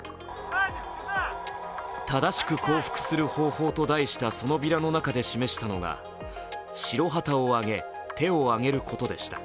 「正しく降伏する方法」と題したそのビラの中で示したのが「白旗を揚げ、手をあげる」ことでした。